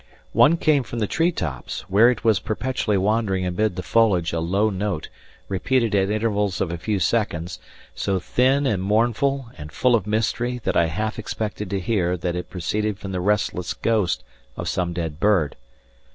One came from the treetops, where it was perpetually wandering amid the foliage a low note, repeated at intervals of a few seconds, so thin and mournful and full of mystery that I half expected to hear that it proceeded from the restless ghost of some dead bird.